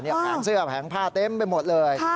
แผงเสื้อแผงผ้าเต็มไปหมดเลย